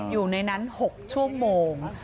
อยู่ในนั้น๖ชั่วโมง